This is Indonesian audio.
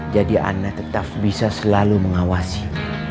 jadi ana tetap bisa selalu mengawasi